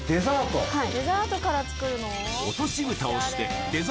はい。